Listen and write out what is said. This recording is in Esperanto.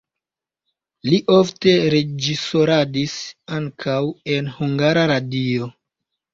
Li ofte reĝisoradis ankaŭ en Hungara Radio.